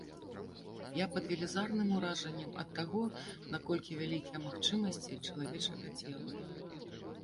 Я пад велізарным уражаннем ад таго, наколькі вялікія магчымасці чалавечага цела.